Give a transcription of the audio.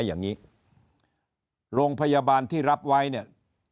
อย่างนี้โรงพยาบาลที่รับไว้เนี่ย